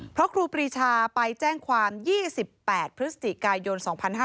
เพราะครูปรีชาไปแจ้งความ๒๘พฤศจิกายน๒๕๕๙